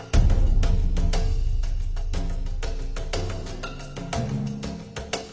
เก้าชีวิตหรือเราให้เจ้าของโน้น